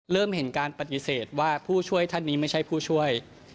เริ่มเห็นการปฏิเสธว่าผู้ช่วยท่านนี้ไม่ใช่ผู้ช่วย